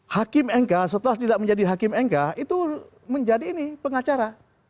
hakim mk setelah tidak menjadi hakim mk itu menjadi ini pengacara